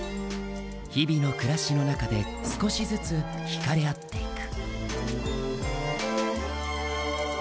日々の暮らしの中で少しずつ引かれ合っていく。